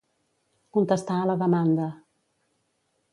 Contestar a la demanda.